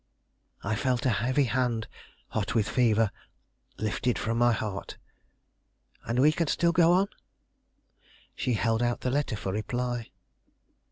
I felt a heavy hand, hot with fever, lifted from my heart. "And we can still go on?" She held out the letter for reply.